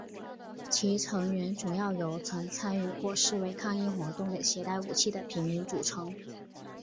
其成员主要由曾参与过示威抗议活动的携带武器的平民组成。